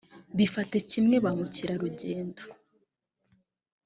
bifate kimwe ba mukerarugendo